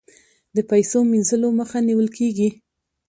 د پیسو مینځلو مخه نیول کیږي